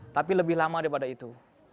tapi lebih lama daripada itu